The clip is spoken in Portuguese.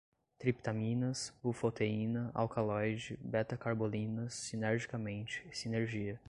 triptaminas, bufoteína, alcaloide, betacarbolinas, sinergicamente, sinergia